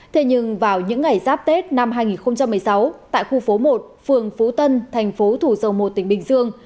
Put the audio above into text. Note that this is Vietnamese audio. thế nhưng vào những ngày giáp tết năm hai nghìn một mươi sáu tại khu phố một phường phú tân thành phố thủ dầu một tỉnh bình dương